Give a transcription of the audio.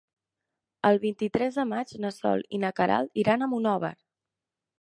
El vint-i-tres de maig na Sol i na Queralt iran a Monòver.